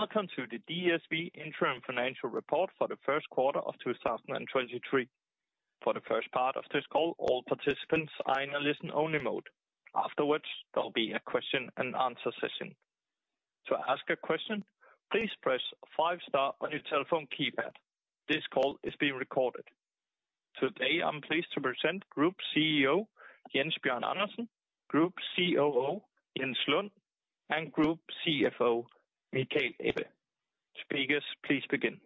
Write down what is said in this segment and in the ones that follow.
Welcome to the DSV interim financial report for the first quarter of 2023. For the first part of this call, all participants are in a listen-only mode. Afterwards, there'll be a question and answer session. To ask a question, please press five star on your telephone keypad. This call is being recorded. Today, I'm pleased to present Group CEO, Jens Bjørn Andersen, Group COO, Jens Lund, and Group CFO, Michael Ebbe. Speakers, please begin.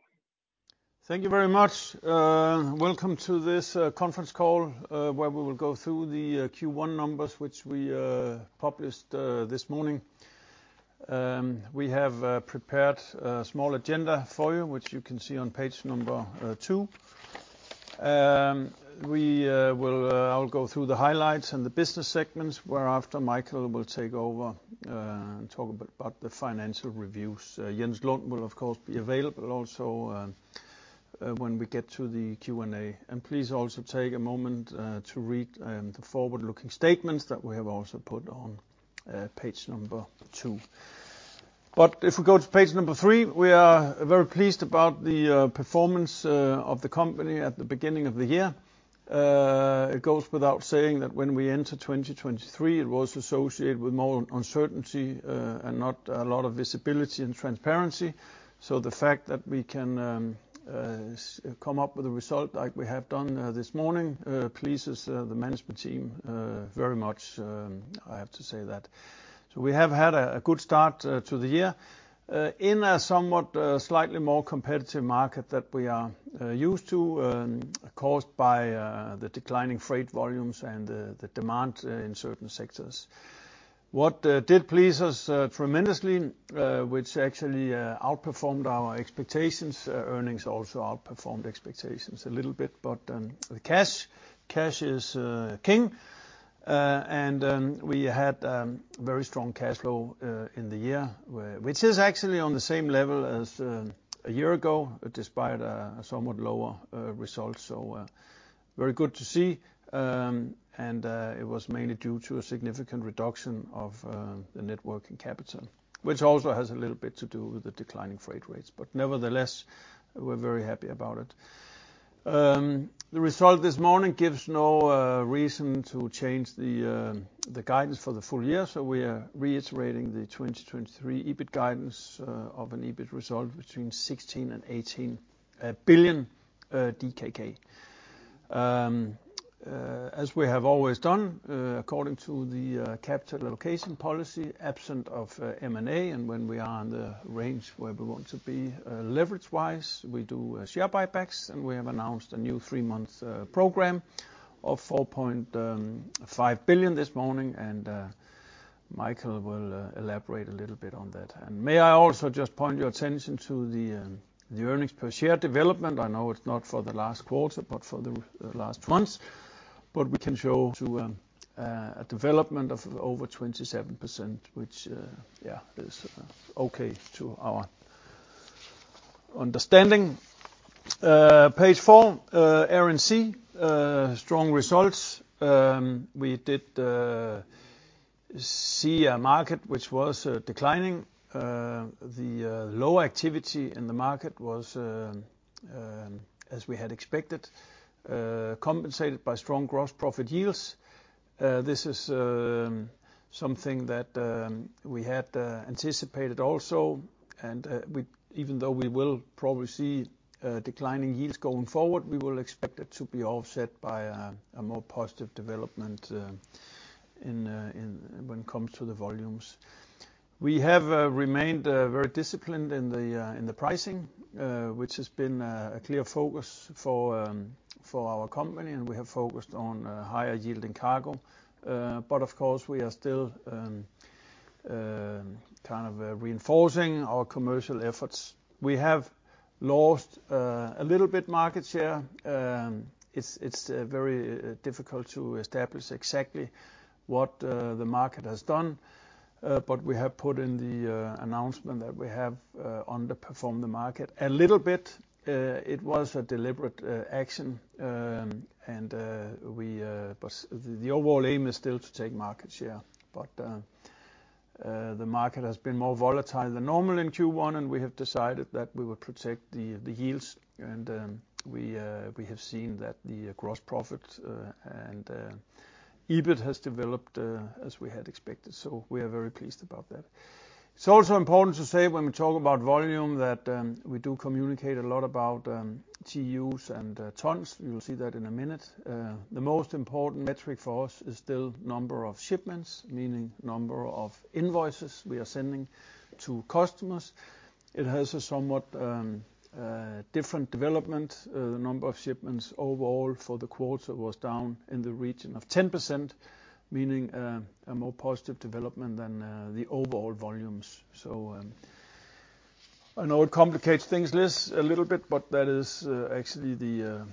Thank you very much. Welcome to this conference call, where we will go through the Q1 numbers which we published this morning. We have prepared a small agenda for you, which you can see on page number 2. I'll go through the highlights and the business segments, whereafter Michael Ebbe will take over and talk about the financial reviews. Jens Lund will, of course, be available also when we get to the Q&A. Please also take a moment to read the forward-looking statements that we have also put on page number 2. If we go to page number 3, we are very pleased about the performance of the company at the beginning of the year. It goes without saying that when we enter 2023, it was associated with more uncertainty, and not a lot of visibility and transparency. The fact that we can come up with a result like we have done this morning, pleases the management team very much. I have to say that. We have had a good start to the year in a somewhat slightly more competitive market that we are used to, caused by the declining freight volumes and the demand in certain sectors. What did please us tremendously, which actually outperformed our expectations, earnings also outperformed expectations a little bit, but the cash is king. We had very strong cash flow in the year, which is actually on the same level as a year ago, despite a somewhat lower result. Very good to see, it was mainly due to a significant reduction of the net working capital, which also has a little bit to do with the declining freight rates. Nevertheless, we're very happy about it. The result this morning gives no reason to change the guidance for the full year, so we are reiterating the 2023 EBIT guidance of an EBIT result between 16 billion and 18 billion DKK. As we have always done, according to the capital allocation policy, absent of M&A, and when we are in the range where we want to be, leverage-wise, we do share buybacks, and we have announced a new three-month program of 4.5 billion this morning, and Michael will elaborate a little bit on that. May I also just point your attention to the earnings per share development? I know it's not for the last quarter, but for the last months. We can show to a development of over 27%, which, yeah, is okay to our understanding. Page 4, Air & Sea, strong results. We did see a market which was declining. The low activity in the market was as we had expected, compensated by strong gross profit yields. This is something that we had anticipated also, and even though we will probably see declining yields going forward, we will expect it to be offset by a more positive development in when it comes to the volumes. We have remained very disciplined in the pricing, which has been a clear focus for our company, and we have focused on higher yield in cargo. Of course, we are still kind of reinforcing our commercial efforts. We have lost a little bit market share. It's, it's very difficult to establish exactly what the market has done, but we have put in the announcement that we have underperformed the market a little bit. It was a deliberate action. The overall aim is still to take market share. The market has been more volatile than normal in Q1, and we have decided that we will protect the yields. We have seen that the gross profit and EBIT has developed as we had expected. We are very pleased about that. It's also important to say when we talk about volume that we do communicate a lot about TUs and tons. You will see that in a minute. The most important metric for us is still number of shipments, meaning number of invoices we are sending to customers. It has a somewhat different development. The number of shipments overall for the quarter was down in the region of 10%, meaning a more positive development than the overall volumes. So I know it complicates things a little bit, but that is actually a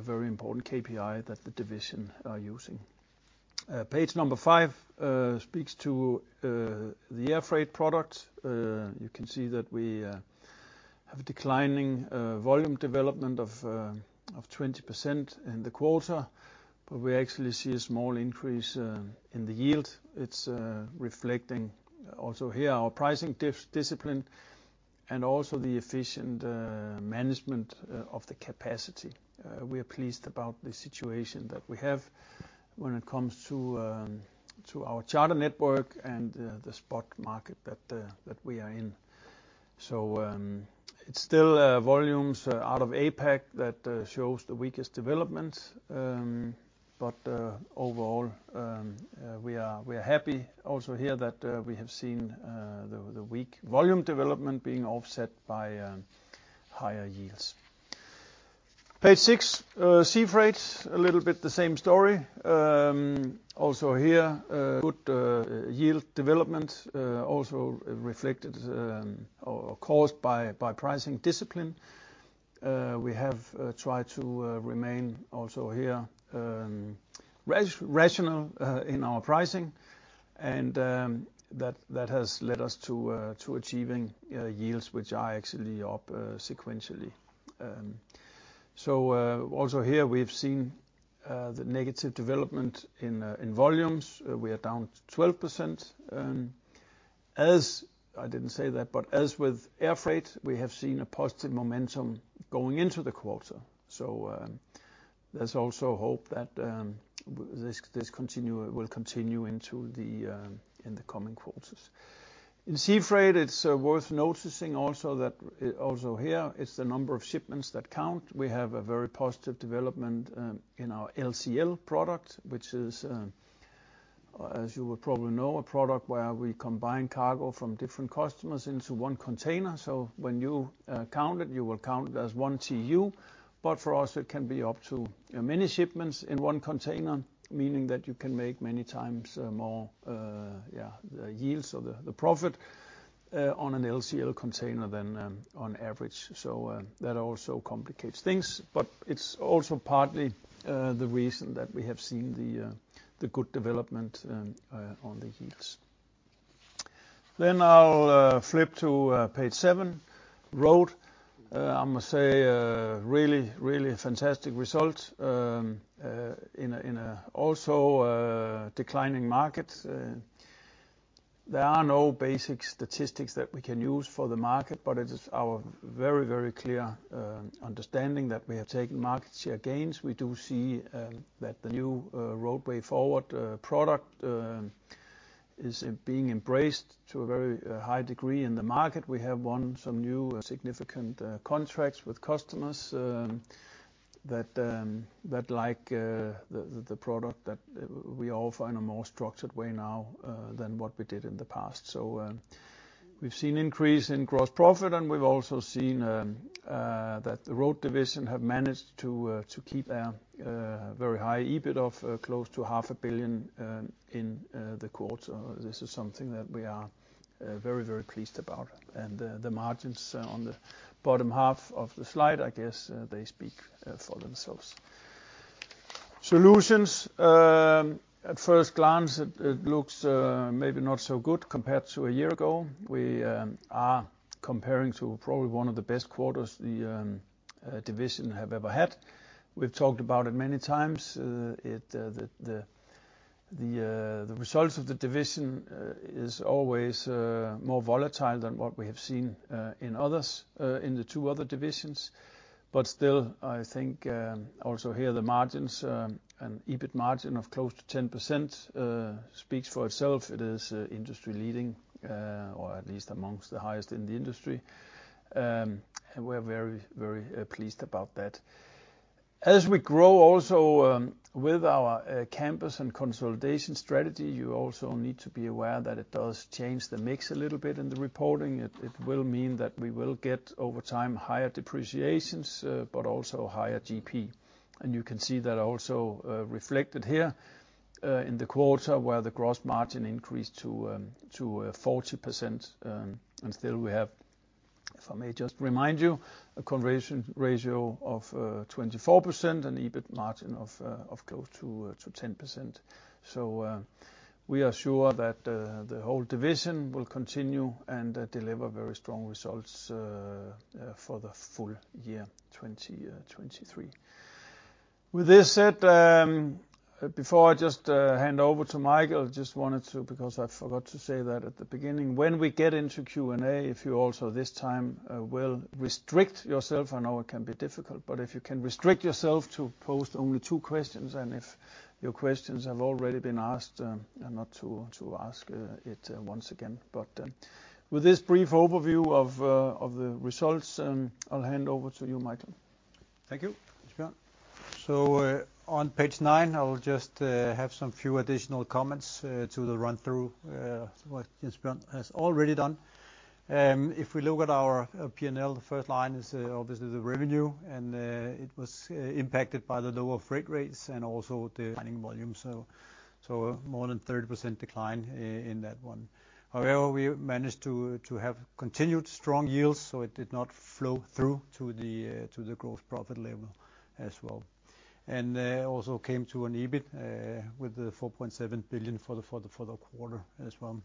very important KPI that the division are using. Page number 5 speaks to the air freight product. You can see that we have declining volume development of 20% in the quarter, but we actually see a small increase in the yield. It is reflecting also here our pricing discipline and also the efficient management of the capacity. We are pleased about the situation that we have when it comes to our charter network and the spot market that we are in. It's still volumes out of APAC that shows the weakest development. Overall, we are happy also here that we have seen the weak volume development being offset by higher yields. Page 6, Sea Freight, a little bit the same story. Also here, a good yield development, also reflected or caused by pricing discipline. We have tried to remain also here rational in our pricing and that has led us to achieving yields which are actually up sequentially. Also here we've seen the negative development in volumes. We are down 12%. I didn't say that, but as with Air Freight, we have seen a positive momentum going into the quarter. There's also hope that this will continue into the in the coming quarters. In Sea Freight, it's worth noticing also that also here it's the number of shipments that count. We have a very positive development in our LCL product, which is, as you would probably know, a product where we combine cargo from different customers into one container. When you count it, you will count it as 1 TU, but for us it can be up to, you know, many shipments in 1 container, meaning that you can make many times more yields or the profit on an LCL container than on average. That also complicates things, but it's also partly the reason that we have seen the good development on the yields. I'll flip to page 7, Road. I must say, really, really fantastic result in a also declining market. There are no basic statistics that we can use for the market, but it is our very, very clear understanding that we have taken market share gains. We do see that the new Roadway Forward product is being embraced to a very high degree in the market. We have won some new significant contracts with customers that like the product that we offer in a more structured way now than what we did in the past. We've seen increase in gross profit and we've also seen that the Road division have managed to keep their very high EBIT of close to half a billion DKK in the quarter. This is something that we are very, very pleased about. The margins on the bottom half of the slide, I guess, they speak for themselves. Solutions, at first glance, it looks maybe not so good compared to a year ago. We are comparing to probably one of the best quarters the division have ever had. We've talked about it many times. The results of the division is always more volatile than what we have seen in others, in the two other divisions. Still, I think also here the margins, an EBIT margin of close to 10%, speaks for itself. It is industry-leading, or at least amongst the highest in the industry. We're very, very pleased about that. As we grow also, with our campus and consolidation strategy, you also need to be aware that it does change the mix a little bit in the reporting. It will mean that we will get over time, higher depreciations, but also higher GP. You can see that also reflected here, in the quarter where the gross margin increased to 40%, and still we have, if I may just remind you, a conversion ratio of 24% and EBIT margin of close to 10%. We are sure that the whole division will continue and deliver very strong results for the full year 2023. With this said, before I just hand over to Michael, just wanted to, because I forgot to say that at the beginning, when we get into Q&A, if you also this time will restrict yourself. I know it can be difficult, but if you can restrict yourself to pose only two questions, and if your questions have already been asked, not to ask it once again. With this brief overview of the results, I'll hand over to you, Michael. Thank you, Jens Bjørn. On page nine, I will just have some few additional comments to the run through what Jens Bjørn has already done. If we look at our P&L, the first line is obviously the revenue and it was impacted by the lower freight rates and also the declining volume. More than 30% decline in that one. However, we managed to have continued strong yields, so it did not flow through to the gross profit level as well. Also came to an EBIT with 4.7 billion for the quarter as well.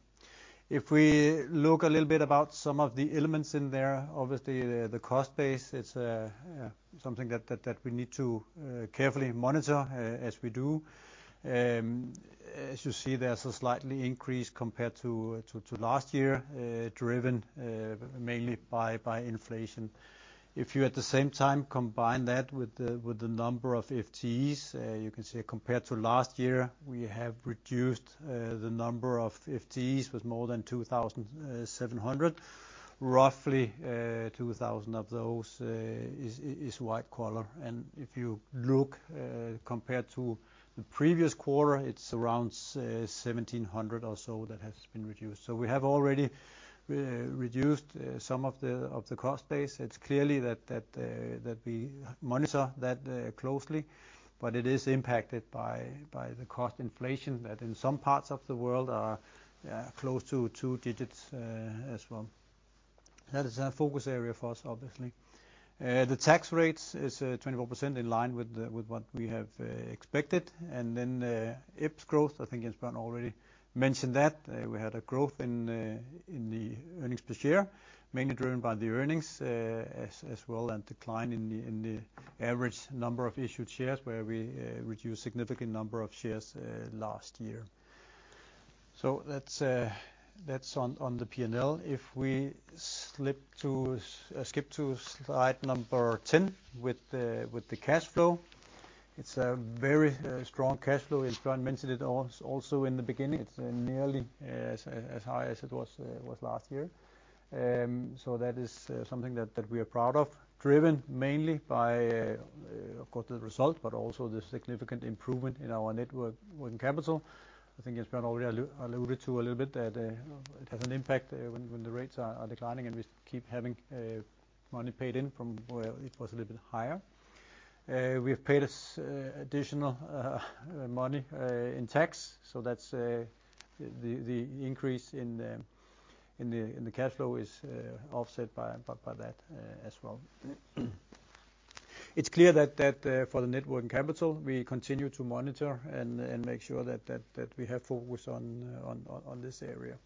If we look a little bit about some of the elements in there, obviously the cost base, it's something that we need to carefully monitor, as we do. As you see, there's a slightly increase compared to last year, driven mainly by inflation. If you at the same time combine that with the number of FTEs, you can see compared to last year, we have reduced the number of FTEs with more than 2,700. Roughly, 2,000 of those is white collar. If you look, compared to the previous quarter, it's around 1,700 or so that has been reduced. We have already reduced some of the cost base. It's clearly that we monitor that closely, but it is impacted by the cost inflation that in some parts of the world are close to two digits as well. That is a focus area for us, obviously. The tax rates is 24% in line with what we have expected. Then EPS growth, I think Jens Bjørn already mentioned that we had a growth in the earnings per share, mainly driven by the earnings as well, and decline in the average number of issued shares, where we reduced significant number of shares last year. That's on the P&L. If we slip to skip to slide number 10 with the cash flow, it's a very strong cash flow. Jens Bjørn mentioned it also in the beginning. It's nearly as high as it was last year. That is something that we are proud of, driven mainly by, of course, the result, but also the significant improvement in our net working capital. I think Jens Bjørn already alluded to a little bit that it has an impact when the rates are declining, and we keep having money paid in from where it was a little bit higher. We have paid us additional money in tax, that's the increase in the cash flow is offset by that as well. It's clear that for the net working capital, we continue to monitor and make sure that we have focus on this area.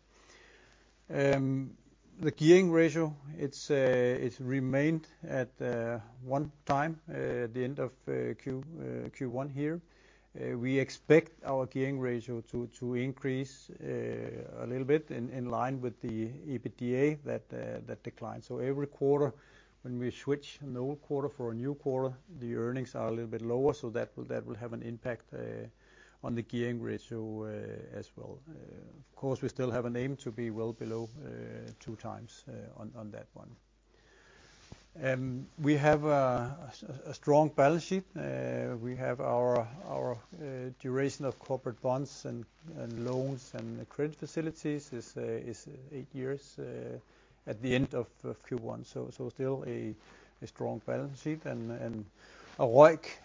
The gearing ratio, it's remained at one time the end of Q1 here. We expect our gearing ratio to increase a little bit in line with the EBITDA that declined. Every quarter, when we switch an old quarter for a new quarter, the earnings are a little bit lower, that will have an impact on the gearing ratio as well. Of course, we still have an aim to be well below two times on that one. We have a strong balance sheet. We have our duration of corporate bonds and loans and credit facilities is 8 years at the end of Q1. So still a strong balance sheet and ROIC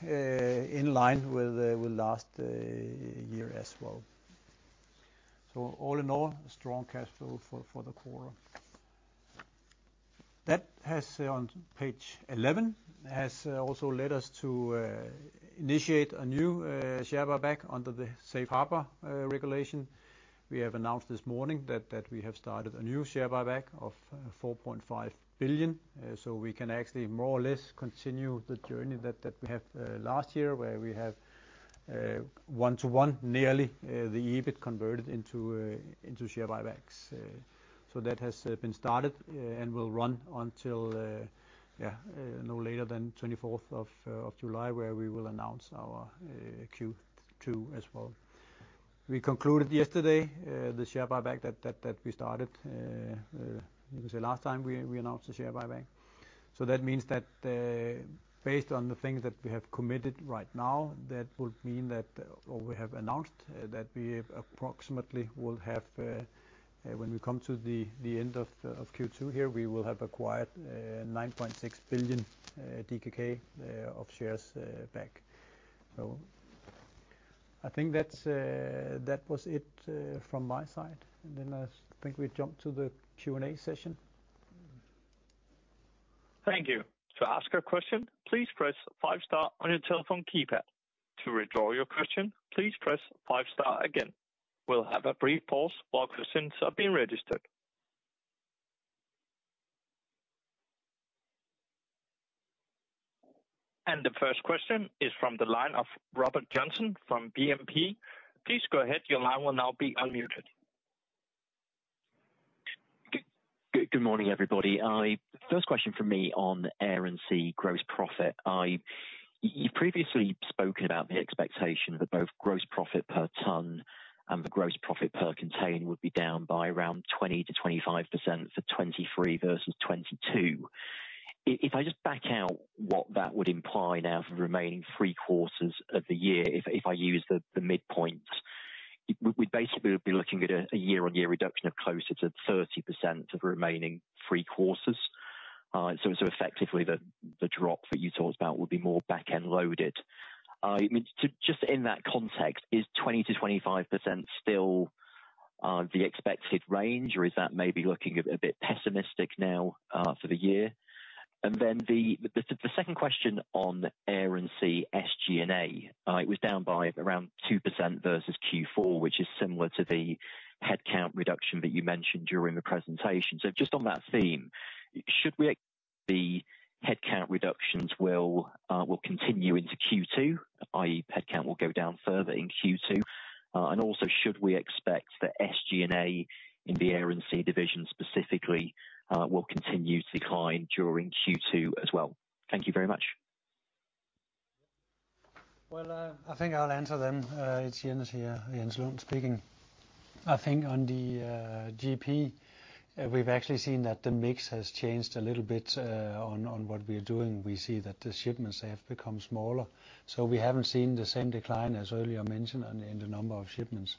in line with last year as well. So all in all, a strong cash flow for the quarter. That has on page 11, has also led us to initiate a new share buyback under the safe harbor regulation. We have announced this morning that we have started a new share buyback of 4.5 billion. So we can actually more or less continue the journey that we have last year, where we have one-to-one nearly the EBIT converted into share buybacks. That has been started and will run until no later than 24th of July, where we will announce our Q2 as well. We concluded yesterday the share buyback that we started. It was the last time we announced the share buyback. That means that, based on the things that we have committed right now, that would mean that, or we have announced, that we approximately will have, when we come to the end of Q2 here, we will have acquired 9.6 billion DKK of shares back. I think that's that was it from my side. I think we jump to the Q&A session. Thank you. To ask a question, please press five star on your telephone keypad. To withdraw your question, please press five star again. We'll have a brief pause while questions are being registered. The first question is from the line of Robert Joynson from BNP. Please go ahead. Your line will now be unmuted. Good morning, everybody. First question from me on Air & Sea gross profit. You've previously spoken about the expectation that both gross profit per ton and the gross profit per container would be down by around 20%-25% for 2023 versus 2022. If I just back out what that would imply now for the remaining 3 quarters of the year if I use the midpoint, we basically would be looking at a year-on-year reduction of closer to 30% of the remaining 3 quarters. Effectively, the drop that you talked about would be more back-end loaded. I mean, to just in that context, is 20%-25% still the expected range, or is that maybe looking a bit pessimistic now for the year? Then the second question on Air & Sea SG&A. It was down by around 2% versus Q4, which is similar to the headcount reduction that you mentioned during the presentation. Just on that theme, should we [expect] the headcount reductions will continue into Q2, i.e. headcount will go down further in Q2? Also should we expect that SG&A in the Air & Sea division specifically, will continue to decline during Q2 as well? Thank you very much. I think I'll answer them. It's Jens here, Jens Lund speaking. I think on the GP, we've actually seen that the mix has changed a little bit on what we're doing. We see that the shipments have become smaller, we haven't seen the same decline as earlier mentioned in the number of shipments.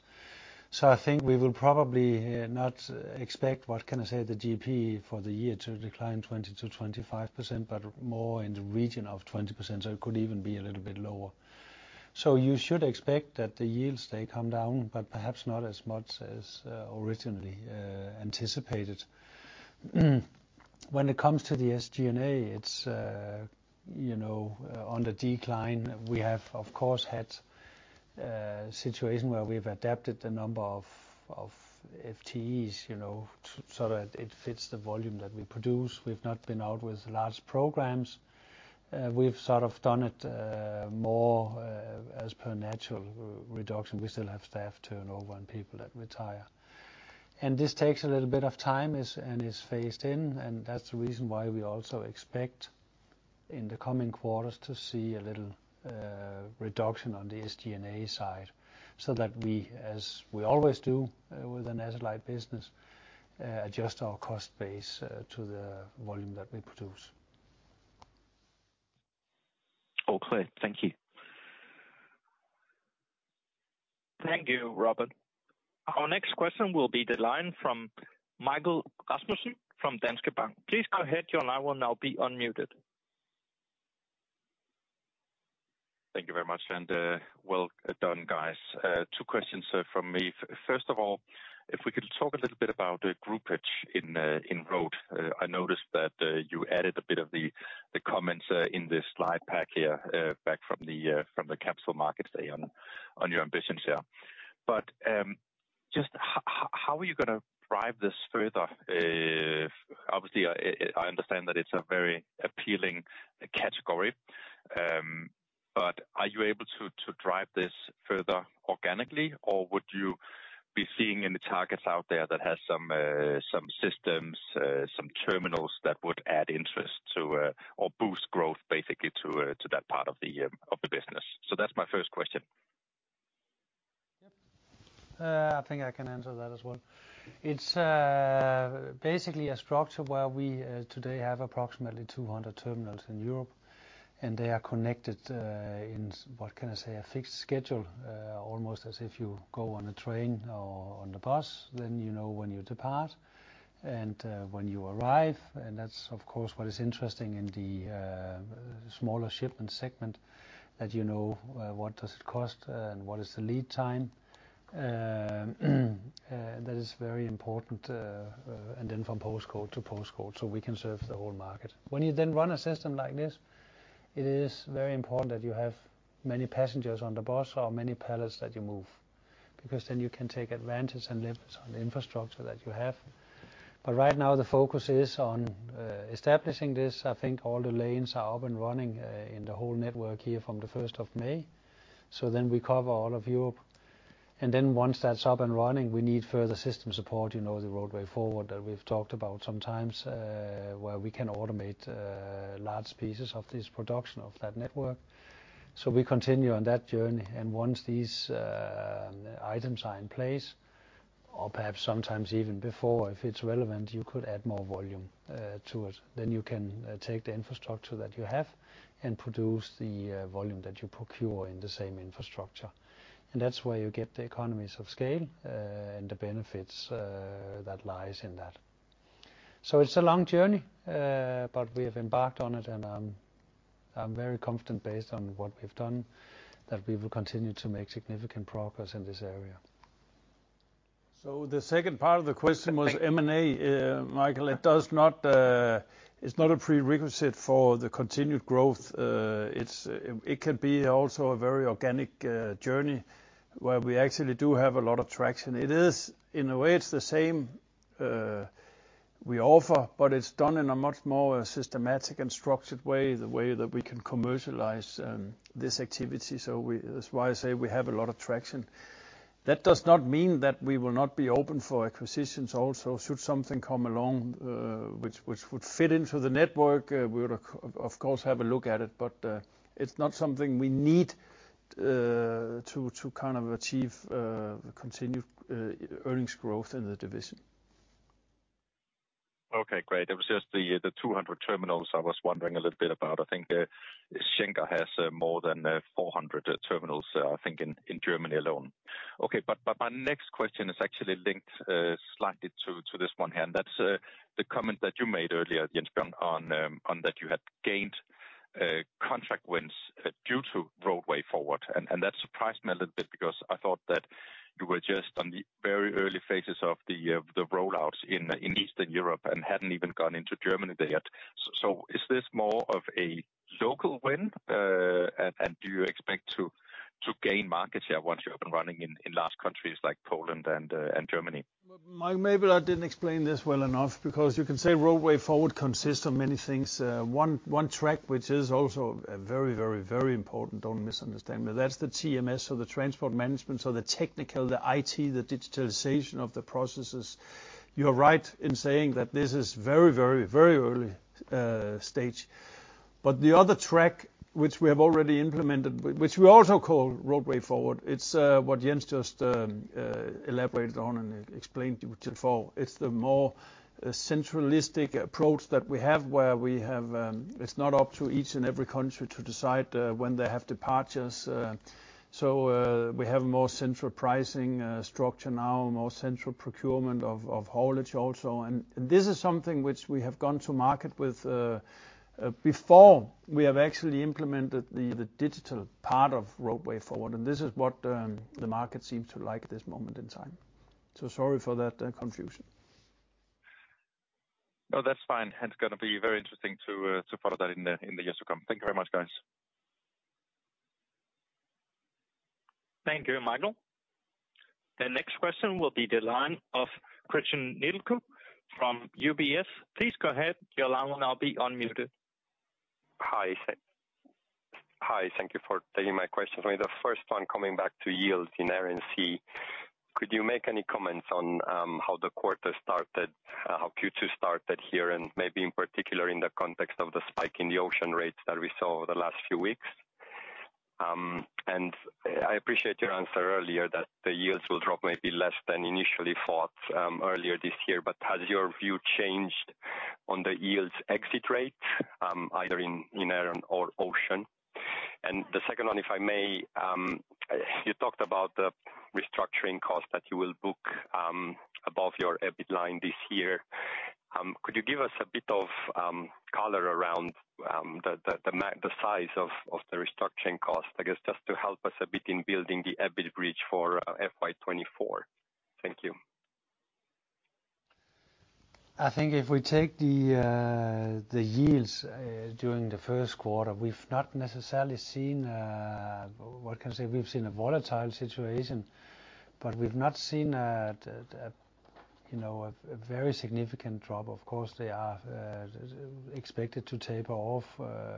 I think we will probably not expect, what can I say, the GP for the year to decline 20%-25%, but more in the region of 20%. It could even be a little bit lower. You should expect that the yields, they come down, but perhaps not as much as originally anticipated. When it comes to the SG&A, it's, you know, on the decline. We have, of course, had a situation where we've adapted the number of FTEs, you know, so that it fits the volume that we produce. We've not been out with large programs. We've sort of done it more as per natural reduction. We still have staff turnover and people that retire. This takes a little bit of time and is phased in, and that's the reason why we also expect in the coming quarters to see a little reduction on the SG&A side, so that we, as we always do, with an satellite business, adjust our cost base to the volume that we produce. All clear. Thank you. Thank you, Robert. Our next question will be the line from Michael Rasmussen from Danske Bank. Please go ahead, your line will now be unmuted. Thank you very much. Well done, guys. Two questions from me. First of all, if we could talk a little bit about the groupage in Road. I noticed that you added a bit of the comments in this slide pack here, back from the capital markets day on your ambitions, yeah. But just how are you gonna drive this further? Obviously, I understand that it's a very appealing category. But are you able to drive this further organically, or would you be seeing any targets out there that has some systems, some terminals that would add interest to, or boost growth basically to that part of the business? So that's my first question. Yeah. I think I can answer that as well. It's basically a structure where we today have approximately 200 terminals in Europe, and they are connected in, what can I say, a fixed schedule, almost as if you go on a train or on the bus, then you know when you depart and when you arrive. That's, of course, what is interesting in the smaller shipment segment, that you know, what does it cost and what is the lead time. That is very important, and then from postcode to postcode, so we can serve the whole market. You then run a system like this, it is very important that you have many passengers on the bus or many pallets that you move, because then you can take advantage and leverage on the infrastructure that you have. Right now, the focus is on establishing this. I think all the lanes are up and running in the whole network here from the first of May. We cover all of Europe. Once that's up and running, we need further system support, you know, the Roadway Forward that we've talked about sometimes, where we can automate large pieces of this production of that network. We continue on that journey. Once these items are in place, or perhaps sometimes even before, if it's relevant, you could add more volume to it, then you can take the infrastructure that you have and produce the volume that you procure in the same infrastructure. That's where you get the economies of scale and the benefits that lies in that. It's a long journey, but we have embarked on it, and I'm very confident based on what we've done, that we will continue to make significant progress in this area. The second part of the question was M&A, Michael. It does not, it's not a prerequisite for the continued growth. It's, it can be also a very organic journey where we actually do have a lot of traction. It is, in a way, it's the same we offer, but it's done in a much more systematic and structured way, the way that we can commercialize this activity. We, that's why I say we have a lot of traction. That does not mean that we will not be open for acquisitions also. Should something come along, which would fit into the network, we would of course have a look at it. It's not something we need to kind of achieve the continued earnings growth in the division. Okay, great. It was just the 200 terminals I was wondering a little bit about. I think, Schenker has, more than, 400 terminals, I think in Germany alone. Okay. My next question is actually linked, slightly to this one here, and that's, the comment that you made earlier, Jens Bjørn, on that you had gained contract wins, due to Roadway Forward. That surprised me a little bit because I thought that you were just on the very early phases of the rollouts in Eastern Europe and hadn't even gone into Germany there yet. Is this more of a local win? And do you expect to gain market share once you're up and running in large countries like Poland and Germany? Well, Michael, maybe I didn't explain this well enough, because you can say Roadway Forward consists of many things. One track, which is also very, very, very important, don't misunderstand me, that's the TMS, so the transport management, so the technical, the IT, the digitalization of the processes. You're right in saying that this is very, very, very early stage. The other track, which we have already implemented, which we also call Roadway Forward, it's what Jens just elaborated on and explained to you before. It's the more centralistic approach that we have, where we have. It's not up to each and every country to decide when they have departures. We have a more central pricing structure now, more central procurement of haulage also. This is something which we have gone to market with before we have actually implemented the digital part of Roadway Forward. This is what the market seems to like at this moment in time. Sorry for that confusion. No, that's fine. It's gonna be very interesting to follow that in the years to come. Thank you very much, guys. Thank you, Michael. The next question will be the line of Christian Nedelcu from UBS. Please go ahead. Your line will now be unmuted. Hi, thank you for taking my questions. Maybe the first one, coming back to yields in Air & Sea. Could you make any comments on how the quarter started, how Q2 started here, and maybe in particular in the context of the spike in the ocean rates that we saw over the last few weeks? I appreciate your answer earlier that the yields will drop maybe less than initially thought earlier this year. Has your view changed on the yields exit rate either in Air or Ocean? The second one, if I may, you talked about the restructuring cost that you will book above your EBIT line this year. Could you give us a bit of color around the size of the restructuring cost? I guess, just to help us a bit in building the EBIT bridge for, FY 2024. Thank you. I think if we take the yields during the first quarter, we've not necessarily seen what can I say? We've seen a volatile situation, but we've not seen a, you know, a very significant drop. Of course, they are expected to taper off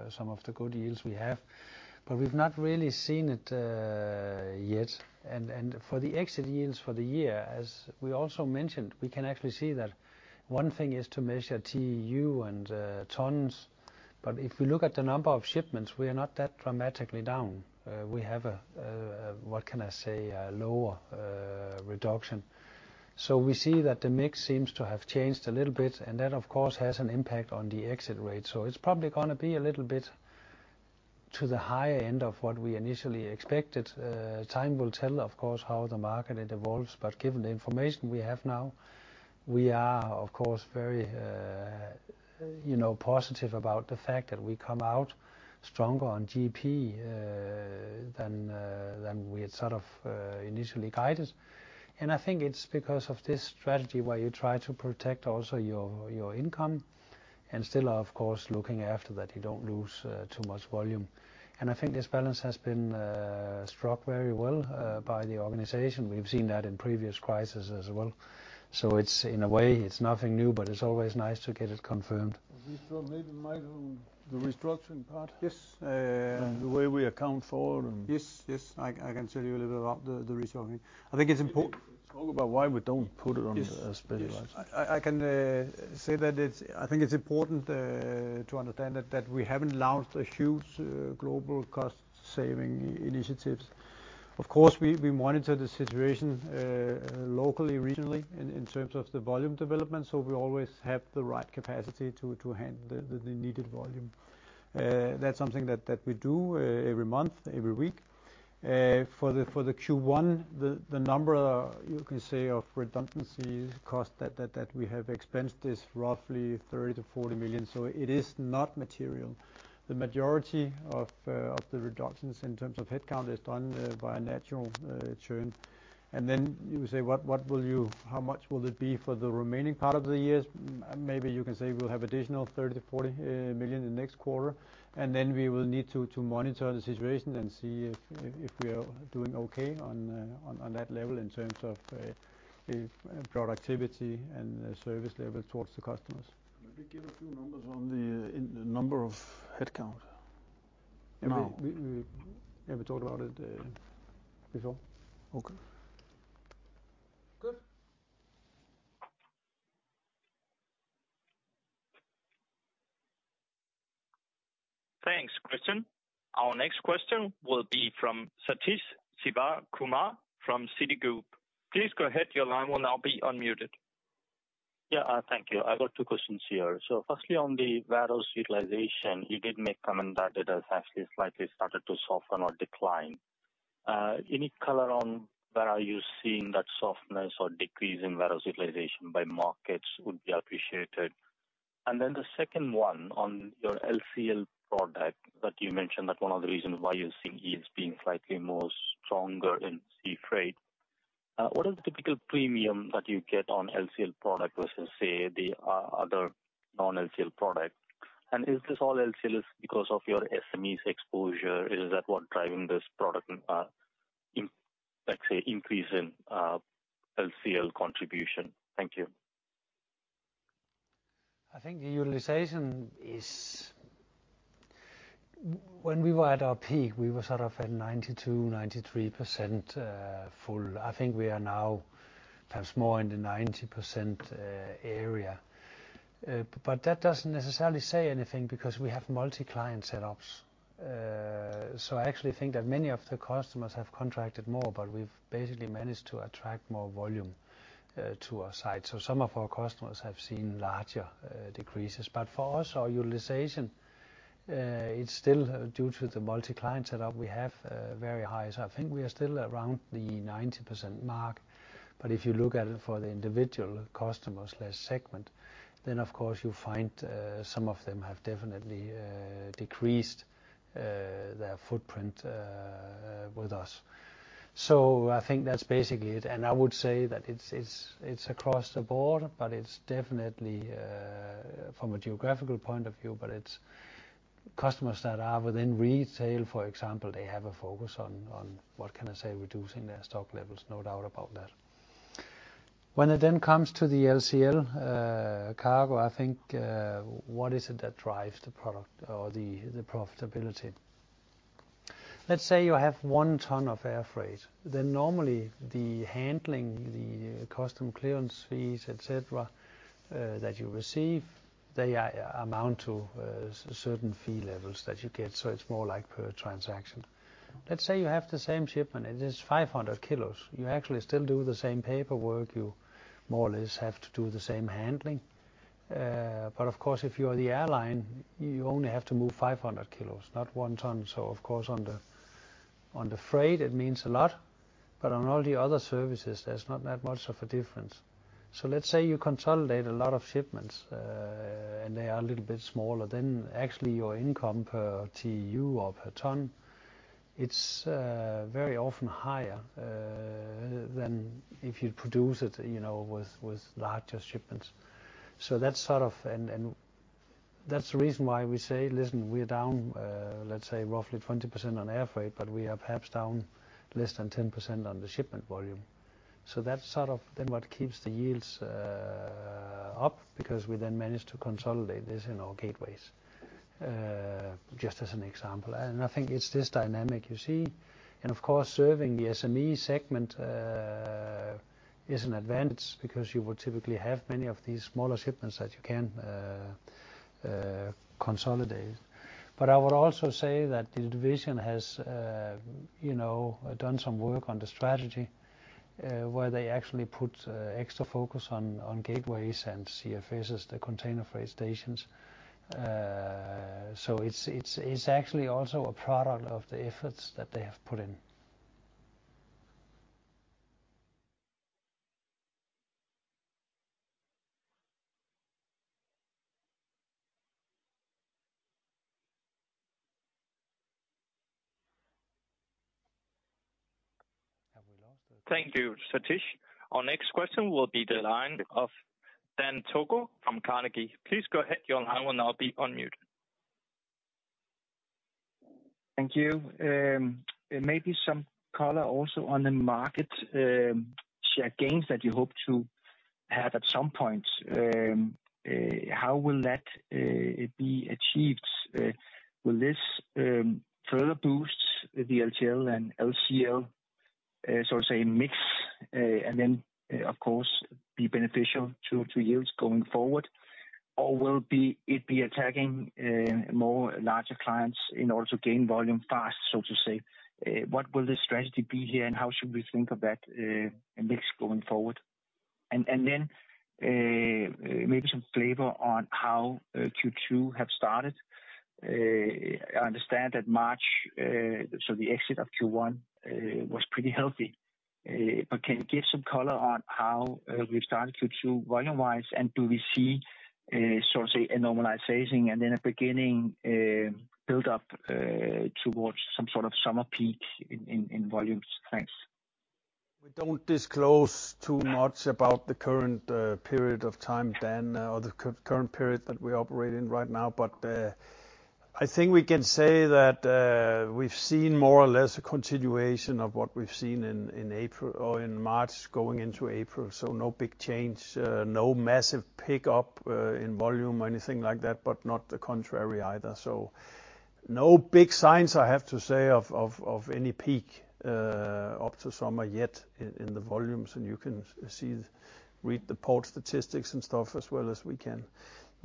some of the good yields we have. We've not really seen it yet. For the exit yields for the year, as we also mentioned, we can actually see that one thing is to measure TEU and tons, but if we look at the number of shipments, we are not that dramatically down. We have a, what can I say, a lower reduction. We see that the mix seems to have changed a little bit, and that of course, has an impact on the exit rate. It's probably gonna be a little bit to the higher end of what we initially expected. Time will tell, of course, how the market, it evolves. Given the information we have now, we are, of course, very, you know, positive about the fact that we come out stronger on GP than we had sort of initially guided. I think it's because of this strategy where you try to protect also your income and still are, of course, looking after that you don't lose too much volume. I think this balance has been struck very well by the organization. We've seen that in previous crises as well. It's, in a way, it's nothing new, but it's always nice to get it confirmed. Maybe, Michael, the restructuring part. Yes. Uh. The way we account for. Yes. I can tell you a little bit about the restructuring. Talk about why we don't put it on the specialized. Yes. I can say that I think it's important to understand that we haven't launched a huge global cost-saving initiatives. Of course, we monitor the situation locally, regionally in terms of the volume development, so we always have the right capacity to handle the needed volume. That's something that we do every month, every week. For the Q1, the number, you can say, of redundancies cost that we have expensed is roughly 30 million-40 million. It is not material. The majority of the reductions in terms of headcount is done by a natural churn. You say, how much will it be for the remaining part of the years? Maybe you can say we'll have additional 30 million-40 million in the next quarter, and then we will need to monitor the situation and see if we are doing okay on that level in terms of productivity and service level towards the customers. Maybe give a few numbers in the number of headcount. No. We talked about it before. Okay. Good. Thanks, Christian. Our next question will be from Sathish Sivakumar from Citigroup. Please go ahead. Your line will now be unmuted. Yeah. Thank you. I've got two questions here. Firstly, on the vessels utilization, you did make comment that it has actually slightly started to soften or decline. Any color on where are you seeing that softness or decrease in vessel utilization by markets would be appreciated. Then the second one on your LCL product that you mentioned, that one of the reasons why you're seeing ears being slightly more stronger in sea freight. What is the typical premium that you get on LCL product versus, say, the, other non-LCL product? Is this all LCL is because of your SMEs exposure? Is that what driving this product, in, let's say, increase in LCL contribution? Thank you. I think the utilization is...When we were at our peak, we were sort of at 92%, 93% full. I think we are now perhaps more in the 90% area. That doesn't necessarily say anything because we have multi-client setups. I actually think that many of the customers have contracted more, but we've basically managed to attract more volume to our site. Some of our customers have seen larger decreases. For us, our utilization it's still due to the multi-client setup we have very high. I think we are still around the 90% mark. If you look at it for the individual customers, less segment, then of course you find some of them have definitely decreased their footprint with us. I think that's basically it. I would say that it's across the board, but it's definitely from a geographical point of view. It's customers that are within retail, for example, they have a focus on, what can I say, reducing their stock levels, no doubt about that. When it comes to the LCL cargo, I think, what is it that drives the product or the profitability? Let's say you have one ton of air freight. Normally the handling, the custom clearance fees, et cetera, that you receive, they amount to certain fee levels that you get. It's more like per transaction. Let's say you have the same shipment and it is 500 kilos. You actually still do the same paperwork. You more or less have to do the same handling. Of course, if you are the airline, you only have to move 500 kilos, not 1 ton. Of course, on the, on the freight, it means a lot. On all the other services, there's not that much of a difference. Let's say you consolidate a lot of shipments, and they are a little bit smaller, then actually your income per TU or per ton, it's very often higher, than if you produce it, you know, with larger shipments. That's the reason why we say, "Listen, we're down, let's say roughly 20% on air freight, but we are perhaps down less than 10% on the shipment volume." That's sort of then what keeps the yields up, because we then manage to consolidate this in our gateways, just as an example. I think it's this dynamic you see. Of course, serving the SME segment, is an advantage because you would typically have many of these smaller shipments that you can consolidate. I would also say that the division has, you know, done some work on the strategy, where they actually put extra focus on gateways and CFSs, the container freight stations. It's actually also a product of the efforts that they have put in. Have we lost? Thank you, Sathish. Our next question will be the line of Dan Togo from Carnegie. Please go ahead, you will now be unmute. Thank you. Maybe some color also on the market share gains that you hope to have at some point. How will that be achieved? Will this further boost the LTL and LCL, so to say mix, and of course, be beneficial to yields going forward? Will it be attacking more larger clients in order to gain volume fast, so to say? What will the strategy be here, and how should we think of that mix going forward? Maybe some flavor on how Q2 have started. I understand that March, so the exit of Q1, was pretty healthy. Can you give some color on how we've started Q2 volume-wise, and do we see, so to say, a normalization and then a beginning build-up towards some sort of summer peak in volumes? Thanks. We don't disclose too much about the current period of time, Dan, or the current period that we operate in right now. I think we can say that, we've seen more or less a continuation of what we've seen in April or in March going into April. No big change, no massive pickup, in volume or anything like that, but not the contrary either. No big signs, I have to say, of any peak, up to summer yet in the volumes. You can see, read the port statistics and stuff as well as we can.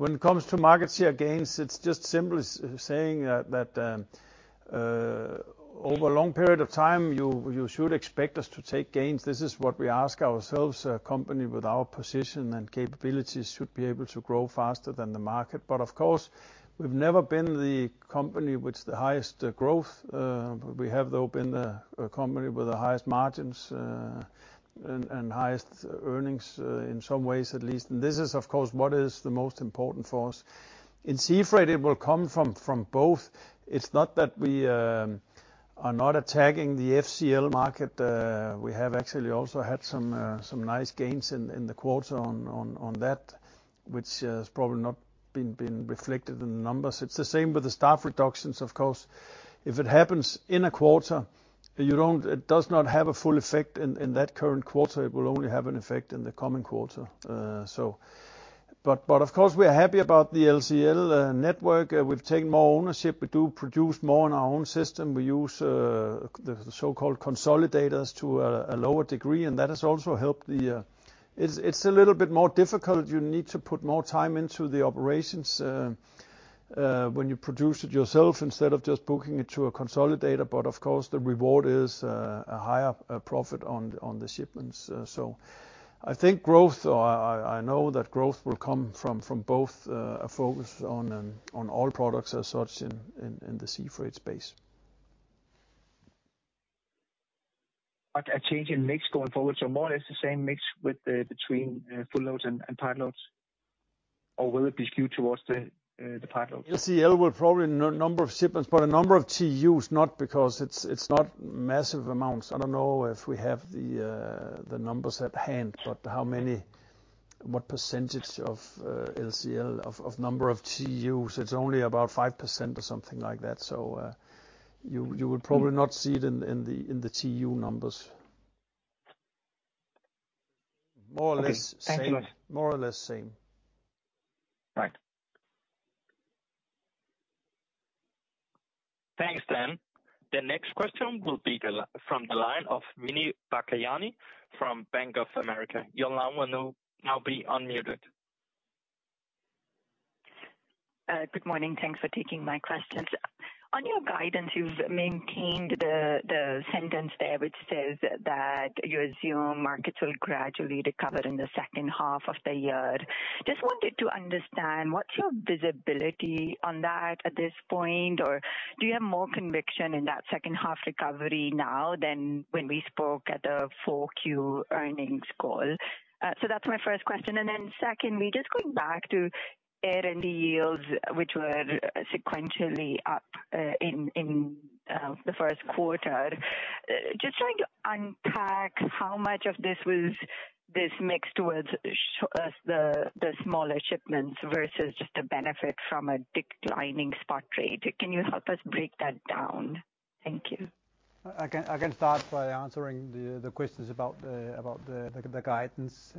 When it comes to market share gains, it's just simply saying that, over a long period of time, you should expect us to take gains. This is what we ask ourselves, a company with our position and capabilities should be able to grow faster than the market. Of course, we've never been the company with the highest growth. We have, though, been a company with the highest margins, and highest earnings, in some ways at least. This is, of course, what is the most important for us. In sea freight, it will come from both. It's not that we are not attacking the FCL market. We have actually also had some nice gains in the quarter on that, which has probably not been reflected in the numbers. It's the same with the staff reductions, of course. If it happens in a quarter, It does not have a full effect in that current quarter, it will only have an effect in the coming quarter. Of course, we are happy about the LCL network. We've taken more ownership. We do produce more in our own system. We use the so-called consolidators to a lower degree, and that has also helped the. It's a little bit more difficult. You need to put more time into the operations when you produce it yourself instead of just booking it to a consolidator. Of course, the reward is a higher profit on the shipments. I think growth, or I know that growth will come from both a focus on all products as such in the sea freight space. A change in mix going forward. More or less the same mix with the between, full loads and part loads, or will it be skewed towards the part loads? LCL will probably number of shipments, but a number of TUs, not because it's not massive amounts. I don't know if we have the numbers at hand, but how many, what percentage of LCL of number of TUs, it's only about 5% or something like that. You would probably not see it in the TU numbers. Okay. Thank you. More or less same. Right. Thanks, Dan. The next question will be from the line of Muneeba Kayani from Bank of America. You'll now be unmuted. Good morning. Thanks for taking my questions. On your guidance, you've maintained the sentence there which says that you assume markets will gradually recover in the second half of the year. Just wanted to understand, what's your visibility on that at this point? Or do you have more conviction in that second half recovery now than when we spoke at the 4Q earnings call? That's my first question. Secondly, just going back to air and the yields which were sequentially up in the first quarter. Just trying to unpack how much of this was, this mixed with the smaller shipments versus just a benefit from a declining spot trade. Can you help us break that down? Thank you. I can start by answering the questions about the guidance.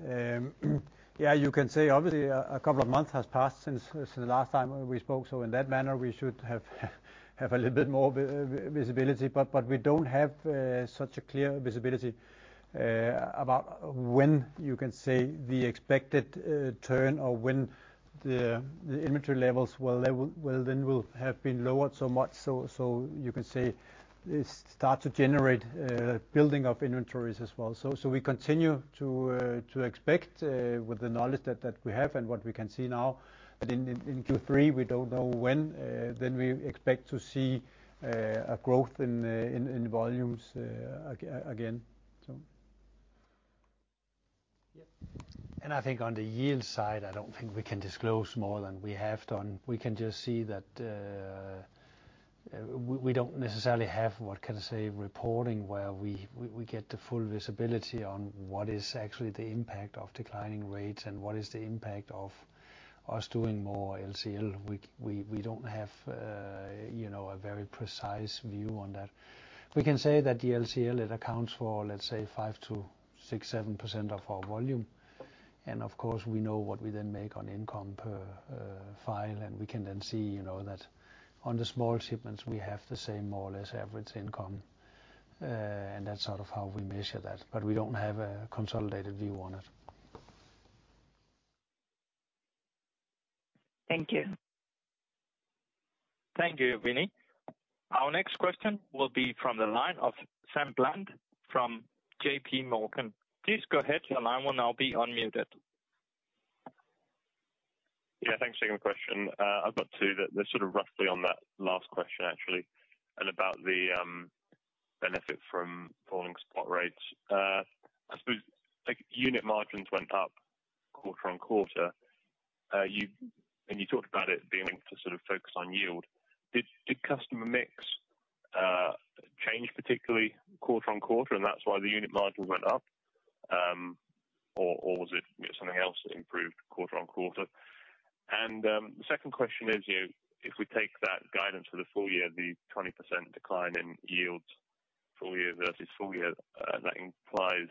Yeah, you can say obviously a couple of months has passed since the last time we spoke, so in that manner, we should have a little bit more visibility. We don't have such a clear visibility about when you can say the expected turn or when the inventory levels will have been lowered so much so you can say it start to generate building of inventories as well. We continue to expect with the knowledge that we have and what we can see now, that in Q3, we don't know when, then we expect to see a growth in volumes again. I think on the yield side, I don't think we can disclose more than we have done. We can just see that we don't necessarily have, what can I say, reporting where we get the full visibility on what is actually the impact of declining rates and what is the impact of us doing more LCL. We don't have, you know, a very precise view on that. We can say that the LCL, it accounts for, let's say 5 to 6, 7% of our volume. Of course, we know what we then make on income per file, and we can then see, you know, that on the small shipments, we have the same, more or less, average income. That's sort of how we measure that. We don't have a consolidated view on it. Thank you. Thank you, [Munee]. Our next question will be from the line of Sam Bland from JP Morgan. Please go ahead, your line will now be unmuted. Yeah, thanks. Second question. I've got 2 that they're sort of roughly on that last question, actually, and about the benefit from falling spot rates. I suppose, like, unit margins went up quarter-on-quarter. You talked about it being to sort of focus on yield. Did customer mix change particularly quarter-on-quarter, and that's why the unit margin went up? Or was it something else that improved quarter-on-quarter? The second question is, you, if we take that guidance for the full year, the 20% decline in yields full year versus full year, that implies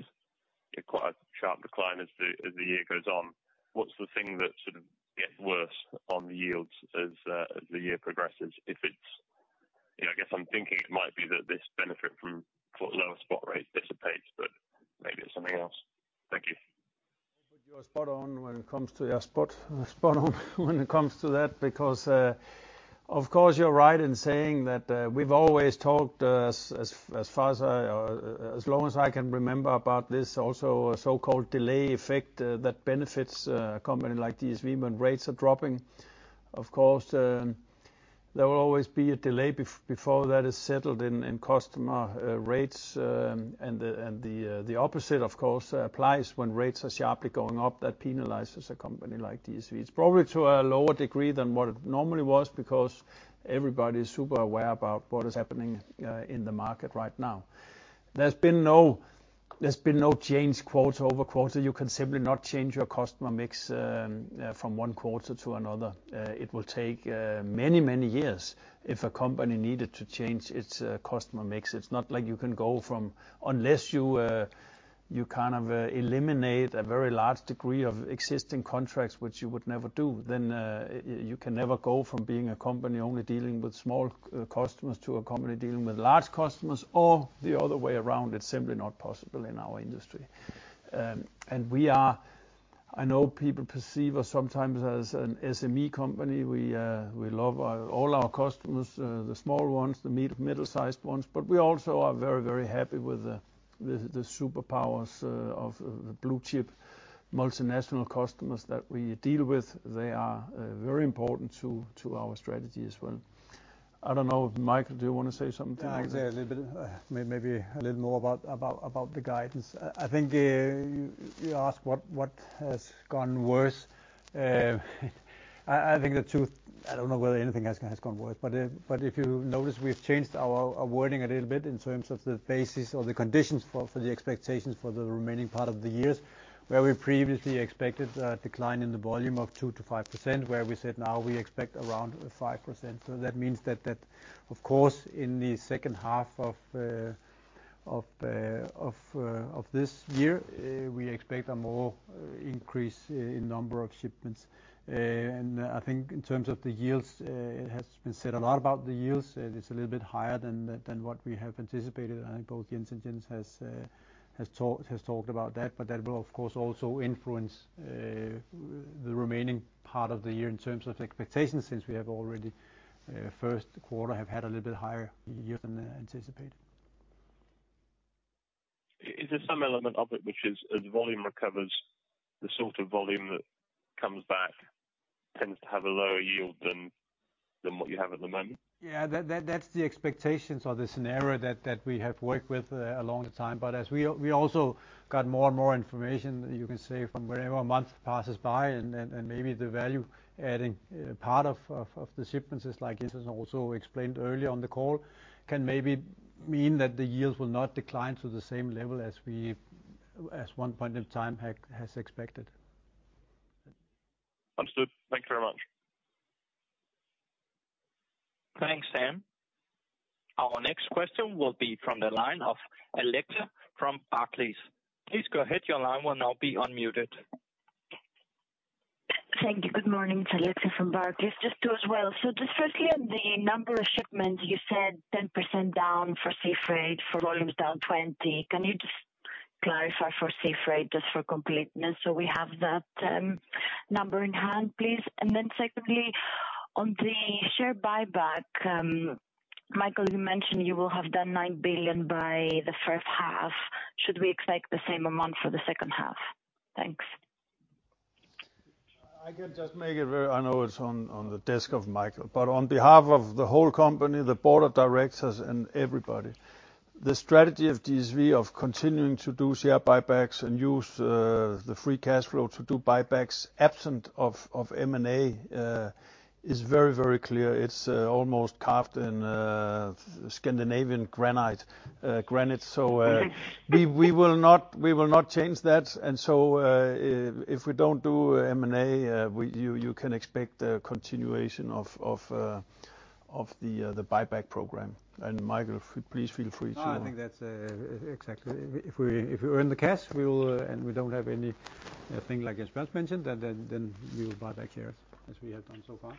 quite a sharp decline as the, as the year goes on. What's the thing that sort of gets worse on the yields as the year progresses? If it's, you know, I guess I'm thinking it might be that this benefit from lower spot rates dissipates, but maybe it's something else. Thank you. You are spot on when it comes to your spot. Spot on when it comes to that, because, of course, you're right in saying that, we've always talked, as far as I, or as long as I can remember about this also so-called delay effect, that benefits a company like DSV when rates are dropping. Of course, there will always be a delay before that is settled in customer rates. The opposite, of course, applies when rates are sharply going up. That penalizes a company like DSV. It's probably to a lower degree than what it normally was because everybody is super aware about what is happening in the market right now. There's been no change quarter-over-quarter. You can simply not change your customer mix from one quarter to another. It will take many, many years if a company needed to change its customer mix. Unless you kind of eliminate a very large degree of existing contracts, which you would never do, then you can never go from being a company only dealing with small customers to a company dealing with large customers or the other way around. It's simply not possible in our industry. I know people perceive us sometimes as an SME company. We love all our customers, the small ones, the middle-sized ones, but we also are very, very happy with the superpowers of the blue-chip multinational customers that we deal with. They are, very important to our strategy as well. I don't know, Michael, do you wanna say something? Yeah, I can say a little bit, maybe a little more about the guidance. I think, you asked what has gone worse. I think the truth, I don't know whether anything has gone worse. If you notice, we've changed our wording a little bit in terms of the basis or the conditions for the expectations for the remaining part of the years. Where we previously expected a decline in the volume of 2%-5%, where we said now we expect around 5%. That means that of course, in the second half of this year, we expect a more increase in number of shipments. I think in terms of the yields, it has been said a lot about the yields. It's a little bit higher than the, than what we have anticipated, and both Jens and Jens has talked about that. That will of course also influence the remaining part of the year in terms of expectations, since we have already first quarter have had a little bit higher yield than anticipated. Is there some element of it which is, as volume recovers, the sort of volume that comes back tends to have a lower yield than what you have at the moment? Yeah. That's the expectations or the scenario that we have worked with a long time. As we also got more and more information, you can say, from wherever month passes by and maybe the value-adding part of the shipments is like Jens has also explained earlier on the call, can maybe mean that the yields will not decline to the same level as we, at one point in time has expected. Understood. Thank you very much. Thanks, Sam. Our next question will be from the line of Alexia from Barclays. Please go ahead. Your line will now be unmuted. Thank you. Good morning. It's Alexia from Barclays. Just two as well. Just firstly, on the number of shipments, you said 10% down for sea freight for volumes down 20%. Can you just clarify for sea freight, just for completeness, so we have that number in hand, please? Secondly, on the share buyback, Michael, you mentioned you will have done 9 billion by the first half. Should we expect the same amount for the second half? Thanks. I can just make it very. I know it's on the desk of Michael. On behalf of the whole company, the board of directors and everybody, the strategy of DSV of continuing to do share buybacks and use the free cash flow to do buybacks absent of M&A, is very, very clear. It's almost carved in Scandinavian granite. We will not change that. If we don't do M&A, we, you can expect a continuation of the buyback program. Michael, please feel free to. No, I think that's exactly. If we earn the cash, we will, and we don't have anything like as [Bjørn] mentioned, then we will buy back shares as we have done so far.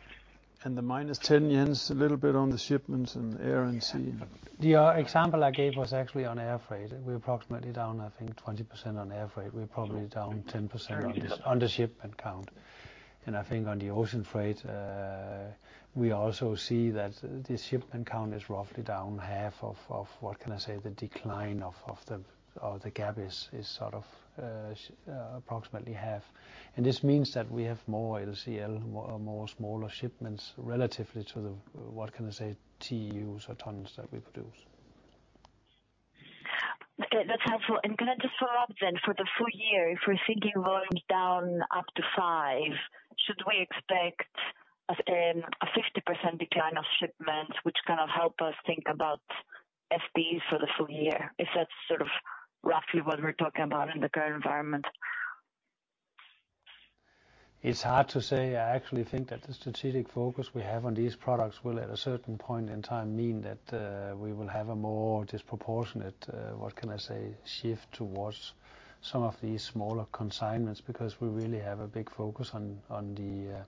The minus 10 Jens, a little bit on the shipments and Air & Sea. The example I gave was actually on air freight. We're approximately down, I think, 20% on air freight. We're probably down 10% on the shipment count. I think on the ocean freight, we also see that the shipment count is roughly down half of what can I say, the decline of the gap is sort of approximately half. This means that we have more LCL, more, more smaller shipments relatively to what can I say, TEUs or tons that we produce. Okay. That's helpful. Can I just follow up then, for the full year, if we're thinking volumes down up to 5%, should we expect a 50% decline of shipments which kind of help us think about FBEs for the full year? Is that sort of roughly what we're talking about in the current environment? It's hard to say. I actually think that the strategic focus we have on these products will at a certain point in time mean that we will have a more disproportionate, what can I say, shift towards some of these smaller consignments, because we really have a big focus on the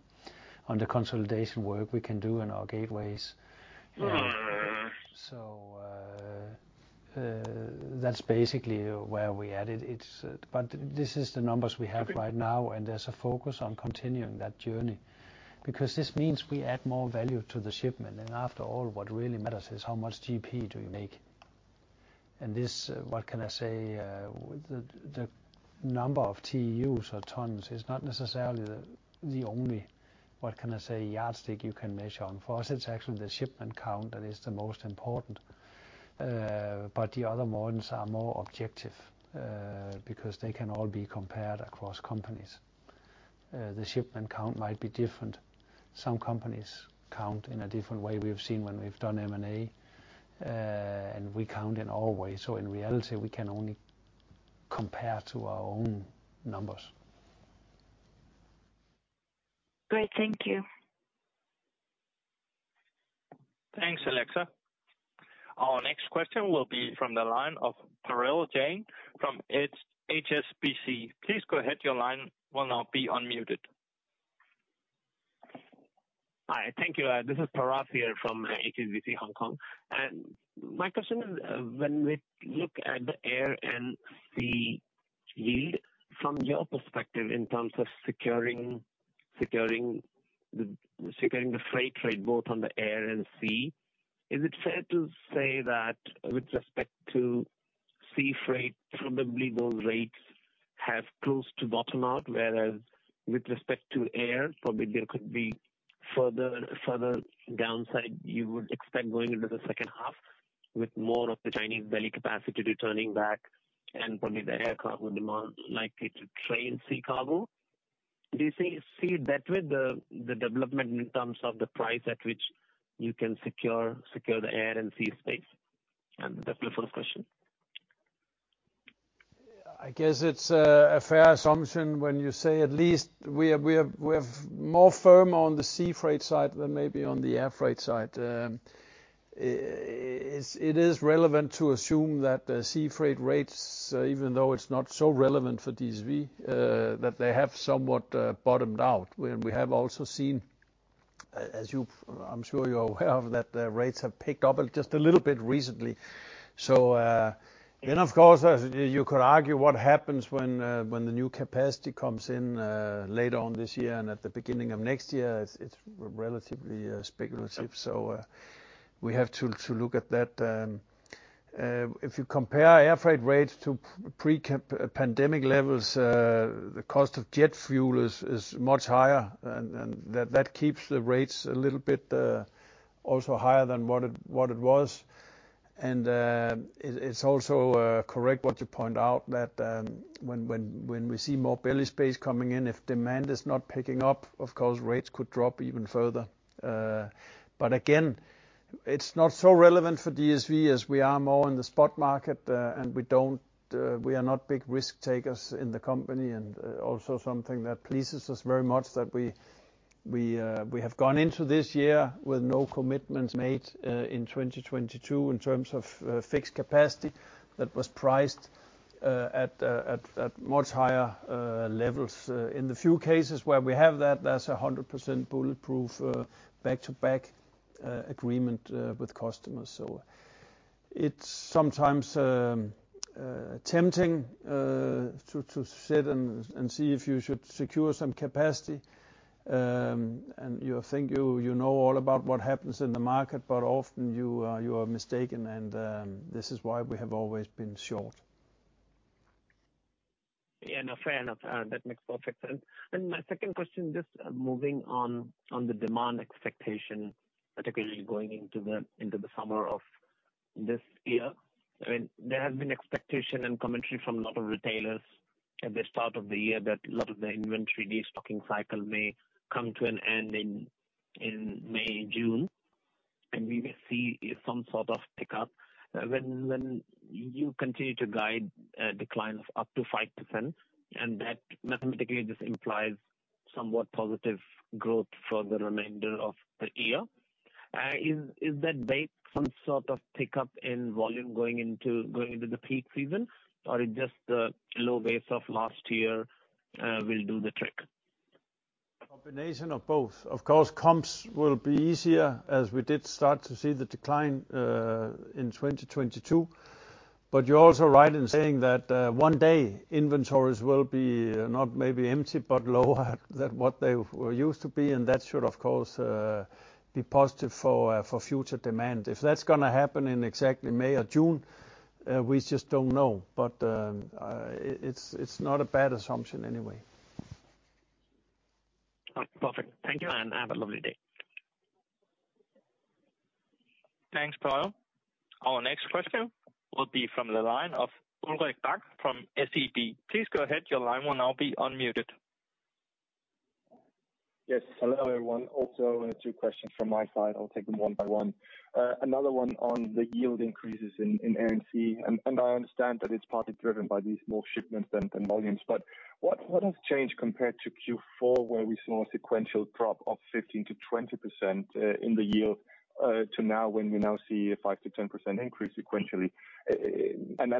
consolidation work we can do in our gateways. So that's basically where we're at. It's, but this is the numbers we have right now, and there's a focus on continuing that journey, because this means we add more value to the shipment. After all, what really matters is how much GP do you make. This, what can I say, the number of TEUs or tons is not necessarily the only, what can I say, yardstick you can measure on. For us, it's actually the shipment count that is the most important. The other ones are more objective, because they can all be compared across companies. The shipment count might be different. Some companies count in a different way. We've seen when we've done M&A, and we count in our way. In reality, we can only compare to our own numbers. Great. Thank you. Thanks, Alexia. Our next question will be from the line of Parash Jain from HSBC. Please go ahead. Your line will now be unmuted. Hi. Thank you. This is Parash here from HSBC Hong Kong. My question is, when we look at the Air & Sea yield, from your perspective in terms of securing the freight trade both on the air and sea, is it fair to say that with respect to sea freight, probably those rates have close to bottom out, whereas with respect to air, probably there could be further downside you would expect going into the second half with more of the Chinese belly capacity returning back and probably the air cargo demand likely to train sea cargo? Do you see that with the development in terms of the price at which you can secure the air and sea space? That's my first question. I guess it's a fair assumption when you say at least we have more firm on the sea freight side than maybe on the air freight side. It is relevant to assume that the sea freight rates, even though it's not so relevant for DSV, that they have somewhat bottomed out. We have also seen, I'm sure you're aware of, that the rates have picked up a just a little bit recently. Then of course, you could argue what happens when the new capacity comes in later on this year and at the beginning of next year. It's relatively speculative, we have to look at that. If you compare air freight rates to pre-pandemic levels, the cost of jet fuel is much higher and that keeps the rates a little bit also higher than what it was. It's also correct what you point out that when we see more belly space coming in, if demand is not picking up, of course, rates could drop even further. Again, it's not so relevant for DSV as we are more in the spot market, and we don't we are not big risk-takers in the company. Also something that pleases us very much that we have gone into this year with no commitments made in 2022 in terms of fixed capacity that was priced at much higher levels. In the few cases where we have that's a 100% bulletproof back-to-back agreement with customers. It's sometimes tempting to sit and see if you should secure some capacity. You think you know all about what happens in the market, but often you are mistaken, and this is why we have always been short. Yeah, no, fair enough. That makes perfect sense. My second question, just moving on the demand expectation, particularly going into the summer of this year. I mean, there has been expectation and commentary from a lot of retailers at this part of the year that a lot of the inventory destocking cycle may come to an end in May, June, and we will see some sort of pickup. When you continue to guide a decline of up to 5%, and that mathematically just implies somewhat positive growth for the remainder of the year. Is that based some sort of pickup in volume going into the peak season, or is just the low base of last year will do the trick? Combination of both. Of course, comps will be easier as we did start to see the decline in 2022, but you're also right in saying that one day inventories will be not maybe empty, but lower than what they were used to be, and that should of course, be positive for future demand. If that's gonna happen in exactly May or June, we just don't know. It's not a bad assumption anyway. Perfect. Thank you, and have a lovely day. Thanks, Parash. Our next question will be from the line of Ulrik Bak from SEB. Please go ahead. Your line will now be unmuted. Yes. Hello, everyone. Two questions from my side. I'll take them one by one. Another one on the yield increases in Air & Sea. I understand that it's partly driven by these more shipments than volumes. What has changed compared to Q4, where we saw a sequential drop of 15%-20% in the yield to now when we now see a 5%-10% increase sequentially?